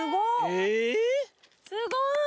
すごい。